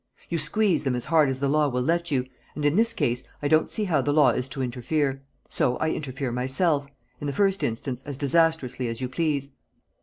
You squeeze them as hard as the law will let you, and in this case I don't see how the law is to interfere. So I interfere myself in the first instance as disastrously as you please."